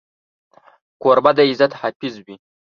کوربه د عزت حافظ وي.